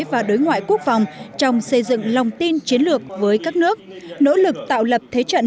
và đối ngoại quốc phòng trong xây dựng lòng tin chiến lược với các nước nỗ lực tạo lập thế trận